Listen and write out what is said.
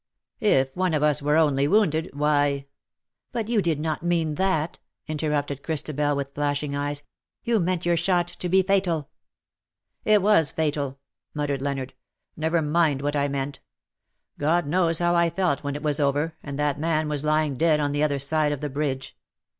If one of us were only wounded, why ''" But you did not mean that,^^ interrupted Chris tabel, with flashing eyes, ^^ you meant your shot to be fatal/' " It was fatal," muttered Leonard. ^^ Never mind what I meant. God knows how I felt when it was over, and that man was lying dead on the other side of the bridge.